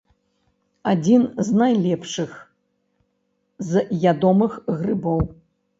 Адзін з найлепшых з ядомых грыбоў.